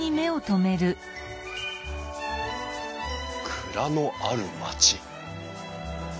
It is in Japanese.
「蔵のある町」。